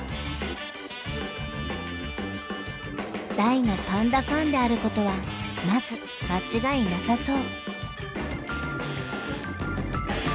大のパンダファンであることはまず間違いなさそう。